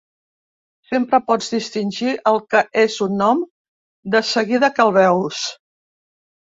Sempre pots distingir el que és un nom de seguida que el veus.